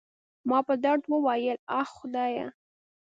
ما په درد وویل: اخ، خدایه.